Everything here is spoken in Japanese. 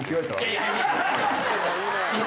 いやいや！